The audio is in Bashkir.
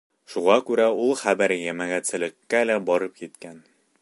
Шуға күрә ул хәбәр йәмәғәтселеккә лә барып еткән.